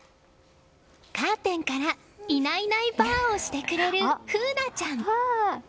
カーテンからいないいないばあをしてくれる楓奈ちゃん。